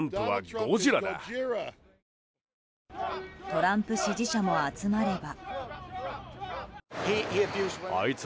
トランプ支持者も集まれば。